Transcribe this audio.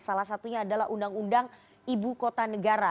salah satunya adalah undang undang ibu kota negara